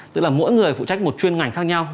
tức là mỗi người phụ trách một chuyên ngành khác nhau